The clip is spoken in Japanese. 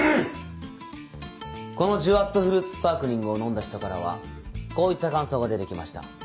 この「ジュワっとフルーツスパークリング」を飲んだ人からはこういった感想が出てきました。